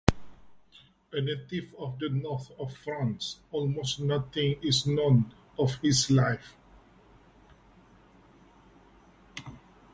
A native of the north of France, almost nothing is known of his life.